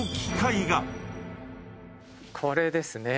これですね。